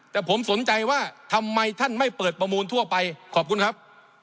แต่ผมสนใจว่าทำไมท่านไม่เปิดประมูลทั่วไปขอบคุณครับ